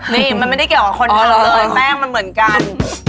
นี่มันไม่ได้เกี่ยวกับคอนโดหรอกเลยแป้งมันเหมือนกัน